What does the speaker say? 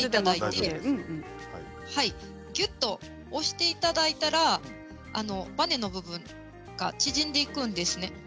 ぎゅっと押していただいたらバネの部分が縮んでいくんです。